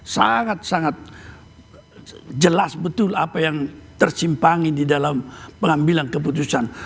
sangat sangat jelas betul apa yang tersimpangi di dalam pengambilan keputusan